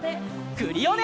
クリオネ！